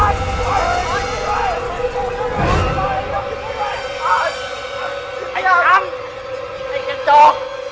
ไอ้กระจอก